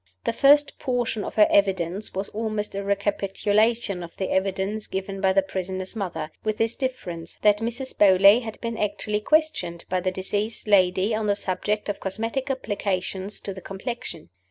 The first portion of her evidence was almost a recapitulation of the evidence given by the prisoner's mother with this difference, that Mrs. Beauly had been actually questioned by the deceased lady on the subject of cosmetic applications to the complexion.